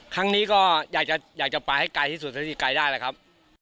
ครั้งนี้ก็อยากจะไปให้ไกลที่สุดซะที่ไกลได้แหละครับ